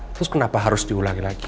terus kenapa harus diulangi lagi